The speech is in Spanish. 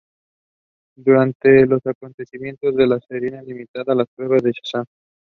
Durante los acontecimientos de la serie limitada "Las Pruebas de Shazam!